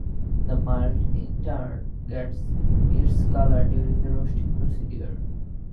The malt, in turn, gets its colour during the roasting procedure.